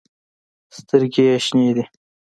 سترګې ېې شنې دي